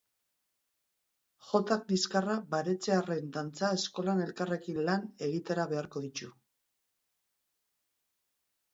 Jotak liskarra baretzearren dantza eskolan elkarrekin lan egitera behartuko ditu.